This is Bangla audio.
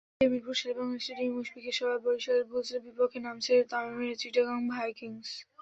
বেলা দুইটায় মিরপুর শেরেবাংলা স্টেডিয়ামে মুশফিকের বরিশাল বুলসের বিপক্ষে নামছে তামিমের চিটাগং ভাইকিংস।